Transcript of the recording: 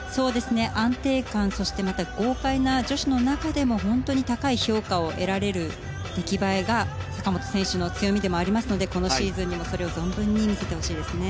安定感また豪快な女子の中でも本当に高い評価を得られる出来栄えが坂本選手の強みでもありますのでこのシーズンにもそれを存分に見せてほしいですね。